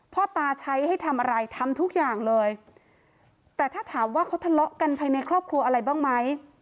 พ่อตาใช้ให้ทำอะไรทำทุกอย่างเลยแต่ถ้าถามว่าเขาทะเลาะกันภายในครอบครัวอะไรบ้างไหม